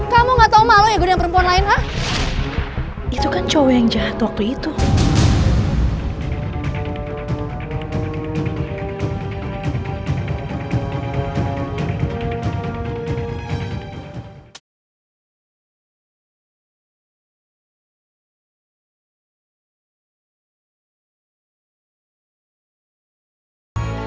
sampai jumpa di video selanjutnya